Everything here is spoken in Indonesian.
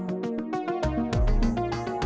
t galleries ga ada